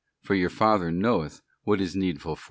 for your Father knoweth what is needful for you.